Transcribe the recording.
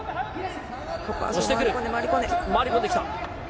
押してくる、回り込んできた。